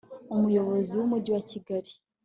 umuyobozi w'umujyi wa kigali